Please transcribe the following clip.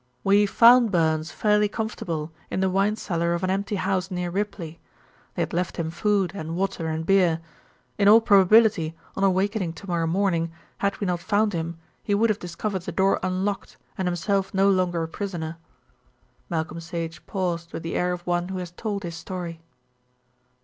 "We found Burns fairly comfortable in the wine cellar of an empty house near Ripley. They had left him food and water and beer. In all probability on awakening to morrow morning, had we not found him, he would have discovered the door unlocked and himself no longer a prisoner." Malcolm Sage paused with the air of one who has told his story.